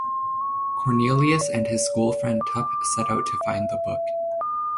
Cornelius and his schoolfriend Tuppe set out to find the book.